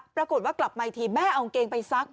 ปรากฏว่ากลับมาอีกทีแม่เอากางเกงไปซัก